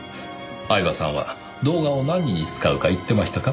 饗庭さんは動画を何に使うか言ってましたか？